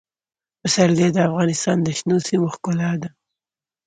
پسرلی د افغانستان د شنو سیمو ښکلا ده.